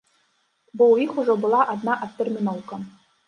Бо ў іх ужо была адна адтэрміноўка.